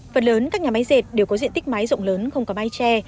phần lớn các nhà máy dệt đều có diện tích mái rộng lớn không có mái tre